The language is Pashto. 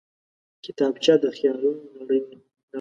کتابچه د خیالونو نړۍ ده